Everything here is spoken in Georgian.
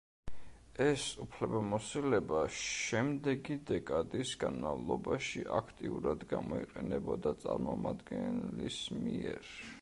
ეს უფლებამოსილება შემდეგი დეკადის განმავლობაში აქტიურად გამოიყენებოდა წარმომადგენლის მიერ.